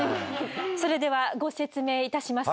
それではご説明いたします。